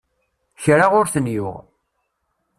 Kra ur ten-yuɣ.